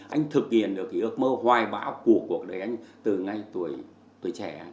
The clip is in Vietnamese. anh thực hiện được cái ước mơ hoài bão của cuộc đời anh từ ngay tuổi trẻ